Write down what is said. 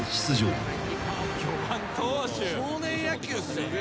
少年野球っすよね。